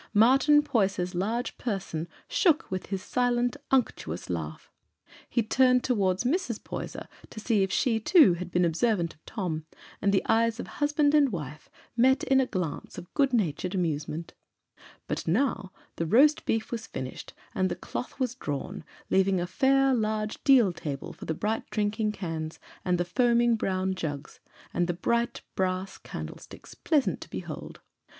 Martin Poyser's large person shook with his silent unctuous laugh; he turned toward Mrs. Poyser to see if she, too, had been observant of Tom, and the eyes of husband and wife met in a glance of good natured amusement. [Footnote 19: From Chapter LIII of "Adam Bede."] But now the roast beef was finished and the cloth was drawn, leaving a fair large deal table for the bright drinking cans, and the foaming brown jugs, and the bright brass candlesticks, pleasant to behold.